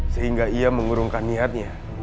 sehingga ia mengurungkan niatnya